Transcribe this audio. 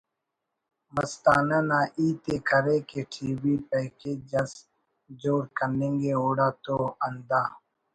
مستانہ نا ہیت ءِ کرے کہ ٹی وی پیکیج اس جوڑ کننگے اوڑا تو ہندا